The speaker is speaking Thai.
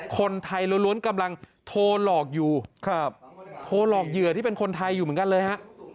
คนไทยล้วนกำลังโทรหลอกอยู่โทรหลอกเหยื่อที่เป็นคนไทยอยู่เหมือนกันเลยฮะ